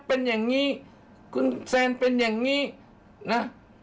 เป็นอย่างนี้คุณแซนเป็นอย่างนี้นะ